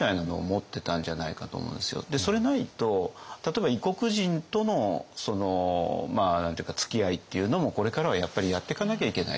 それないと例えば異国人とのつきあいっていうのもこれからはやっぱりやってかなきゃいけないと。